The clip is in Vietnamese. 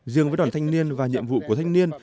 riêng với đoàn thanh niên và nhiệm vụ của thanh niên